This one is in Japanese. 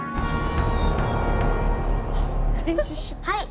はい。